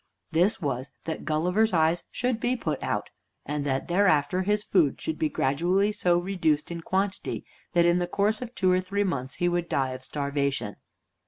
This was, that Gulliver's eyes should be put out, and that thereafter his food should be gradually so reduced in quantity that in the course of two or three months he would die of starvation.